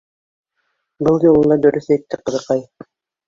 Был юлы ла дөрөҫ әйтте ҡыҙыҡай.